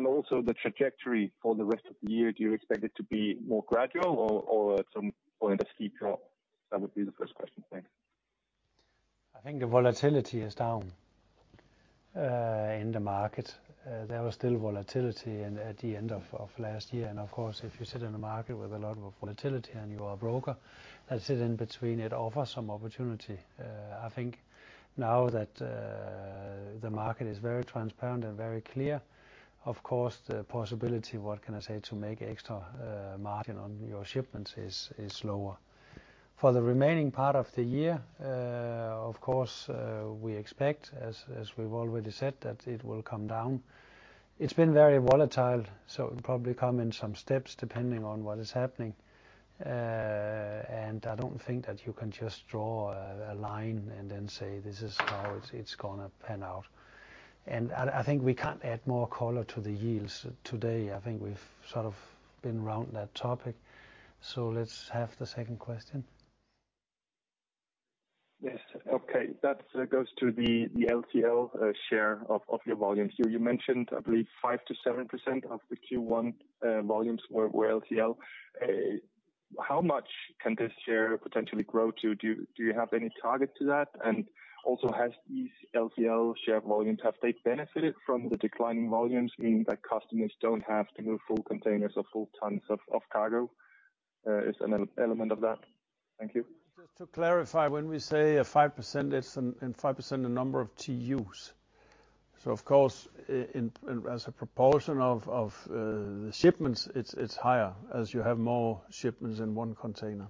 Also the trajectory for the rest of the year, do you expect it to be more gradual or at some point a steep drop? That would be the first question. Thanks. I think the volatility is down in the market. There was still volatility in, at the end of last year. Of course, if you sit in a market with a lot of volatility and you are a broker that sit in between it, offers some opportunity. I think now that the market is very transparent and very clear, of course, the possibility, what can I say, to make extra margin on your shipments is lower. For the remaining part of the year, of course, we expect as we've already said, that it will come down. It's been very volatile, so it'll probably come in some steps depending on what is happening. I don't think that you can just draw a line and then say, "This is how it's gonna pan out." I think we can't add more color to the yields today. I think we've sort of been around that topic. Let's have the second question. Yes. Okay. That goes to the LCL share of your volumes. You mentioned, I believe 5%-7% of the Q1 volumes were LCL. How much can this share potentially grow to? Do you have any target to that? Also, have these LCL share volumes benefited from the declining volumes, meaning that customers don't have to move full containers or full tons of cargo? Is an element of that. Thank you. Just to clarify, when we say a 5%, it's a 5% the number of TUs. Of course, in, as a proportion of the shipments, it's higher as you have more shipments in one container.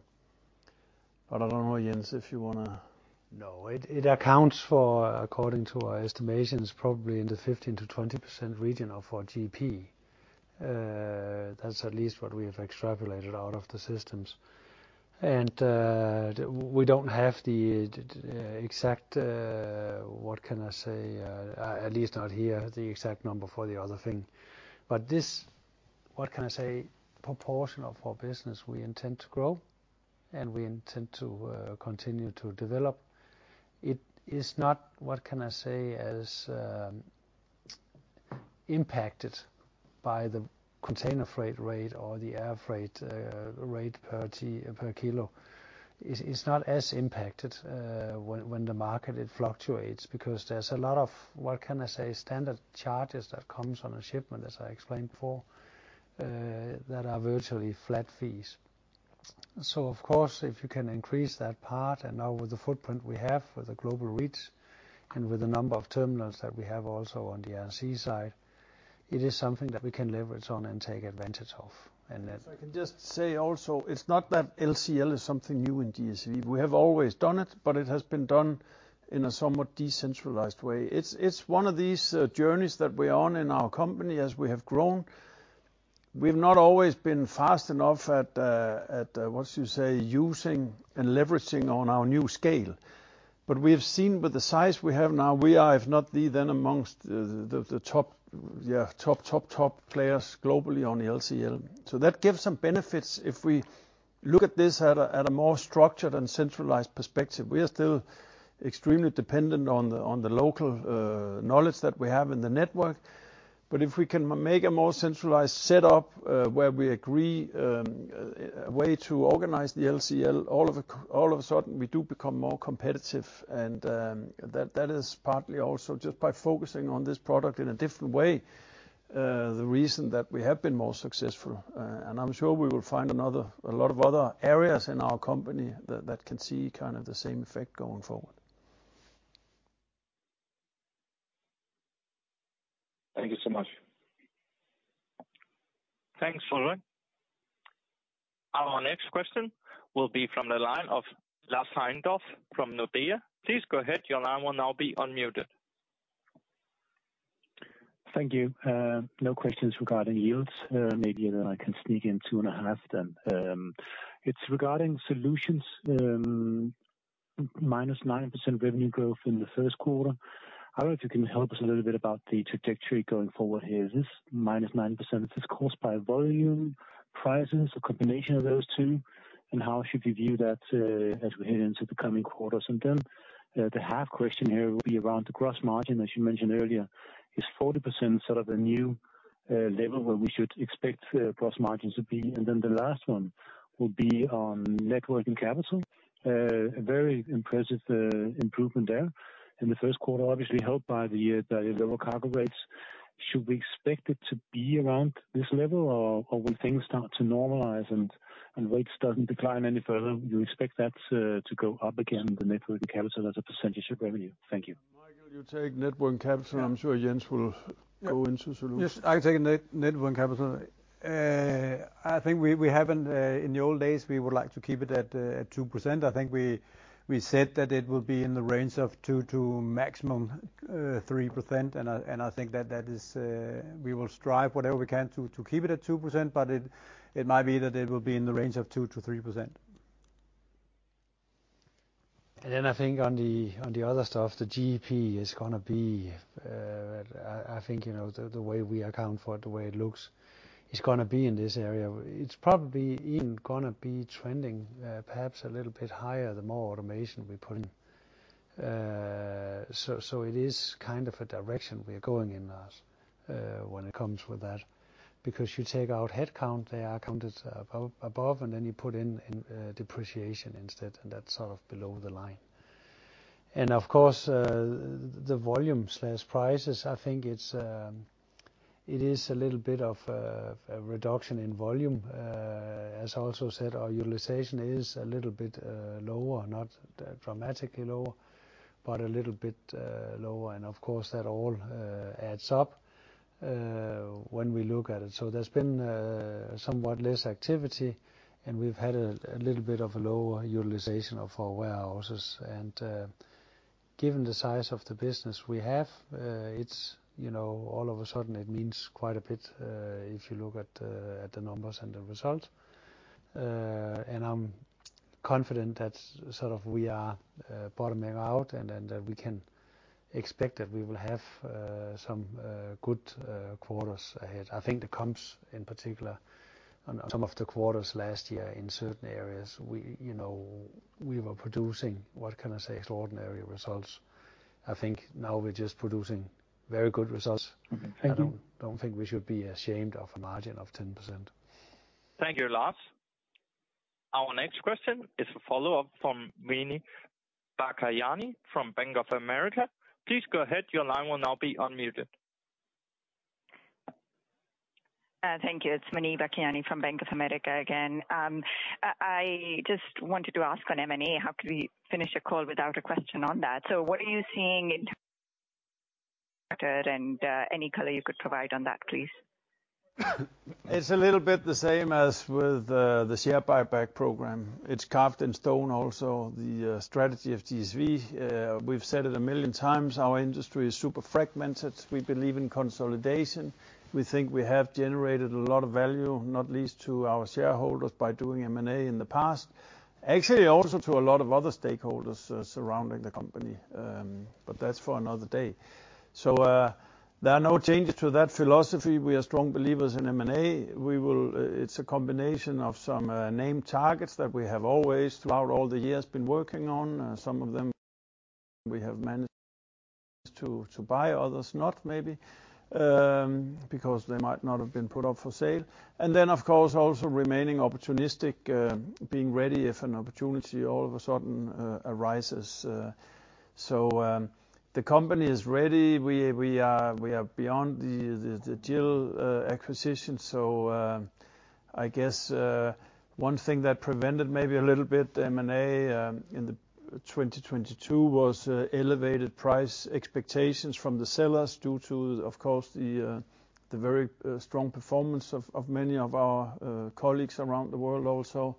I don't know, Jens, if you wanna... No. It accounts for, according to our estimations, probably in the 15%-20% region of our GP. That's at least what we have extrapolated out of the systems. We don't have the exact, what can I say? At least not here, the exact number for the other thing. This, what can I say? Proportion of our business we intend to grow and we intend to continue to develop. It is not, what can I say, as impacted by the container freight rate or the air freight rate per kilo. It's not as impacted when the market fluctuates, because there's a lot of, what can I say, standard charges that comes on a shipment, as I explained before, that are virtually flat fees. Of course, if you can increase that part, and now with the footprint we have, with the global reach and with the number of terminals that we have also on the Air & Sea side, it is something that we can leverage on and take advantage of. If I can just say also, it's not that LCL is something new in DSV. We have always done it, but it has been done in a somewhat decentralized way. It's one of these journeys that we're on in our company as we have grown. We've not always been fast enough at what you say, using and leveraging on our new scale. We have seen with the size we have now, we are, if not the then amongst the top, yeah, top players globally on the LCL. That gives some benefits if we look at this at a more structured and centralized perspective. We are still extremely dependent on the local knowledge that we have in the network. If we can make a more centralized setup, where we agree, a way to organize the LCL, all of a sudden, we do become more competitive. That, that is partly also just by focusing on this product in a different way, the reason that we have been more successful. I'm sure we will find another, a lot of other areas in our company that can see kind of the same effect going forward. Thank you so much. Thanks, Ulrik. Our next question will be from the line of Lars Heindorff from Nordea. Please go ahead. Your line will now be unmuted. Thank you. No questions regarding yields. Maybe then I can sneak in two and a half. It's regarding Solutions, -9% revenue growth in the first quarter. I don't know if you can help us a little bit about the trajectory going forward here. Is this -9%, is this caused by volume, prices, a combination of those two? How should we view that as we head into the coming quarters? The half question here will be around the gross margin, as you mentioned earlier. Is 40% sort of a new level where we should expect gross margins to be? The last one will be on net working capital. A very impressive improvement there. In the first quarter, obviously helped by the lower cargo rates. Should we expect it to be around this level or will things start to normalize and rates doesn't decline any further? Do you expect that to go up again, the net working capital as a % of revenue? Thank you. Michael, you take net working capital. Yeah. I'm sure Jens will go into Solutions. Yes, I take net working capital. I think we haven't in the old days, we would like to keep it at 2%. I think we said that it will be in the range of 2% to maximum 3%. I think that is we will strive whatever we can to keep it at 2%, but it might be that it will be in the range of 2%-3%. I think on the, on the other stuff, the GP is gonna be, I think, you know, the way we account for it, the way it looks, it's gonna be in this area. It's probably even gonna be trending, perhaps a little bit higher, the more automation we put in. It is kind of a direction we're going in, Lars, when it comes with that. Because you take out headcount, they are counted above, and then you put in depreciation instead, and that's sort of below the line. Of course, the volume/prices, I think it's, it is a little bit of a reduction in volume. As I also said, our utilization is a little bit lower, not dramatically lower. A little bit lower and, of course, that all adds up when we look at it. There's been somewhat less activity, and we've had a little bit of a lower utilization of our warehouses. Given the size of the business we have, it's, you know, all of a sudden it means quite a bit if you look at the numbers and the results. I'm confident that sort of we are bottoming out, and then that we can expect that we will have some good quarters ahead. I think the comps in particular on some of the quarters last year in certain areas we, you know, we were producing, what can I say, extraordinary results. I think now we're just producing very good results. Thank you. I don't think we should be ashamed of a margin of 10%. Thank you, Lars. Our next question is a follow-up from Muneeba Kayani from Bank of America. Please go ahead. Your line will now be unmuted. Thank you. It's Muneeba Kayani from Bank of America again. I just wanted to ask on M&A, how could we finish a call without a question on that? What are you seeing? Any color you could provide on that, please? It's a little bit the same as with the share buyback program. It's carved in stone also, the strategy of DSV. We've said it a million times, our industry is super fragmented. We believe in consolidation. We think we have generated a lot of value, not least to our shareholders, by doing M&A in the past. Actually, also to a lot of other stakeholders, surrounding the company. That's for another day. There are no changes to that philosophy. We are strong believers in M&A. It's a combination of some name targets that we have always, throughout all the years, been working on. Some of them we have managed to buy, others not, maybe, because they might not have been put up for sale. Then, of course, also remaining opportunistic, being ready if an opportunity all of a sudden arises. The company is ready. We are beyond the GIL acquisition, so, I guess, one thing that prevented maybe a little bit M&A in 2022 was elevated price expectations from the sellers due to, of course, the very strong performance of many of our colleagues around the world also.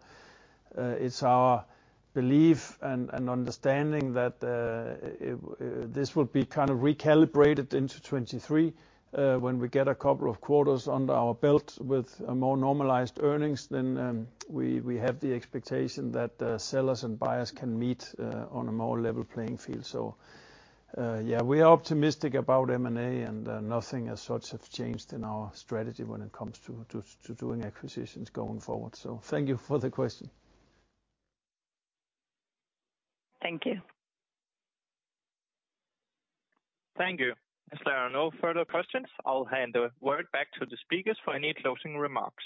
It's our belief and understanding that this will be kind of recalibrated into 2023, when we get a couple of quarters under our belt with more normalized earnings. We have the expectation that sellers and buyers can meet on a more level playing field. Yeah, we are optimistic about M&A, and nothing as such have changed in our strategy when it comes to doing acquisitions going forward. Thank you for the question. Thank you. Thank you. As there are no further questions, I'll hand the word back to the speakers for any closing remarks.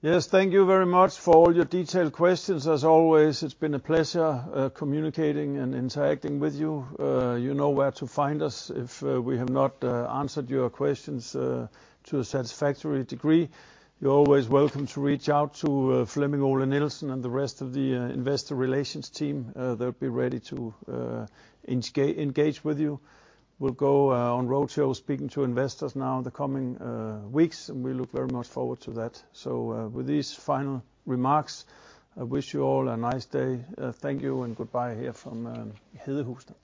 Yes, thank you very much for all your detailed questions. As always, it's been a pleasure, communicating and interacting with you. You know where to find us if we have not answered your questions to a satisfactory degree. You're always welcome to reach out to Flemming Ole Nielsen and the rest of the investor relations team. They'll be ready to engage with you. We'll go on roadshow speaking to investors now in the coming weeks, and we look very much forward to that. With these final remarks, I wish you all a nice day. Thank you and goodbye here from Hedehusene.